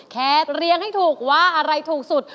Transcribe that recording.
แค่เรียงให้ถูกว่าอะไรถูกสุด